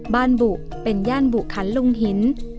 บุเป็นย่านบุขันลุงหิน